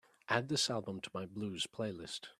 add this album to my Blues playlist